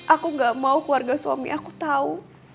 aku gak mau keluarga suami aku tahu